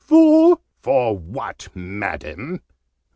"For " "For what, Madam!"